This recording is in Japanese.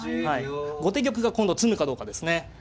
後手玉が今度詰むかどうかですね。